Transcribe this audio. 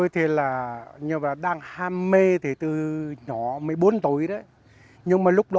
tạc tượng giúp